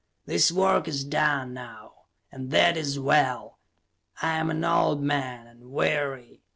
The work is done, now, and that is well. I am an old man, and weary.